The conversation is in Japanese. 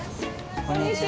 こんにちは。